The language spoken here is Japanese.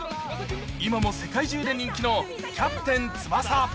今も世界中で人気のキャプテン翼。